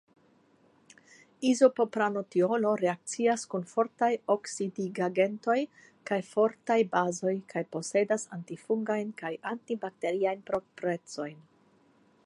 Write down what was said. Izopropanotiolo reakcias kun fortaj oksidigagentoj kaj fortaj bazoj kaj posedas antifungajn kaj antibakteriajn proprecojn.